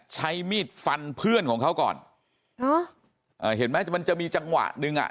ใช้มีดฟันเพื่อนของเขาก่อนฮะอ่าเห็นไหมมันจะมีจังหวะหนึ่งอ่ะ